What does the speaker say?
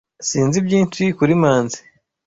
Sinzi byinshi kuri Manzi.